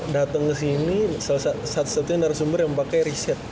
dateng kesini satu satunya narasumber yang pake reset